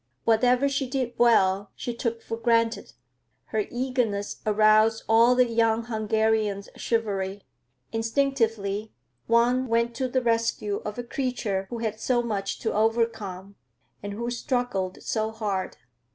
Whatever she did well, she took for granted. Her eagerness aroused all the young Hungarian's chivalry. Instinctively one went to the rescue of a creature who had so much to overcome and who struggled so hard.